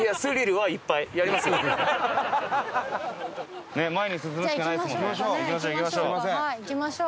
はい行きましょう！